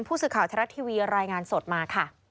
ผู้สื่อข่าวทรัฐทีวีรายงานสดมาค่ะ